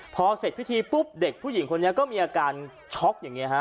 พอเสร็จพิธีปุ๊บเด็กผู้หญิงคนนี้ก็มีอาการช็อกอย่างนี้ฮะ